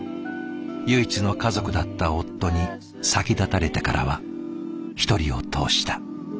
唯一の家族だった夫に先立たれてからは独りを通した。